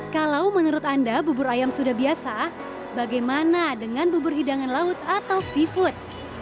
kalau menurut anda bubur ayam sudah biasa bagaimana dengan bubur hidangan laut atau seafood